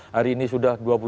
hari ini sudah